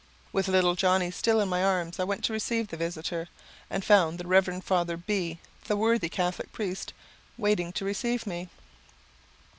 With little Johnnie still in my arms I went to receive the visitor; and found the Rev. Father B , the worthy Catholic priest, waiting to receive me.